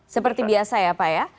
seperti biasa ya pak ya